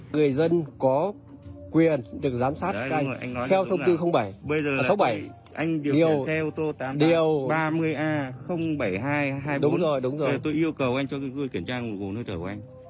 người dân có quyền được giám sát theo thông tư bảy đều ba mươi a bảy mươi hai hai mươi bốn tôi yêu cầu anh cho người kiểm tra nơi thổi của anh